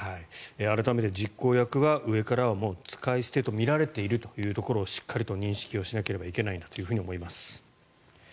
改めて実行役は上からは使い捨てと見られているということをしっかりと認識しなければいけないんだと思います。